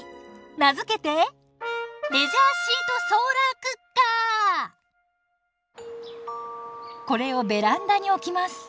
名付けてこれをベランダに置きます。